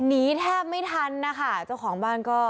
หนีแทบไม่ทันนะคะเจ้าของบ้านก็